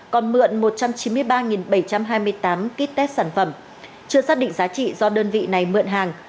còn mượn một trăm chín mươi ba bảy trăm hai mươi tám ký test sản phẩm chưa xác định giá trị do đơn vị này mượn hàng